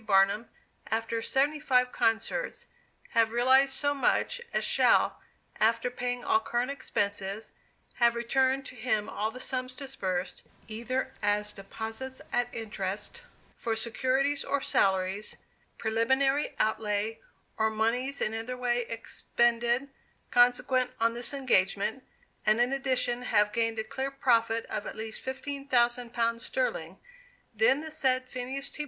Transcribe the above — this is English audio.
Barnum, after seventy five concerts, have realized so much as shall, after paying all current expenses, have returned to him all the sums disbursed, either as deposits at interest, for securities of salaries, preliminary outlay, or moneys in any way expended consequent on this engagement, and in addition, have gained a clear profit of at least fifteen thousand pounds sterling, then the said Phineas T.